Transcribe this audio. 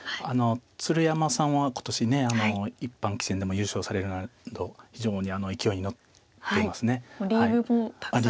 鶴山さんは今年一般棋戦でも優勝されるなど非常に勢いに乗ってますね。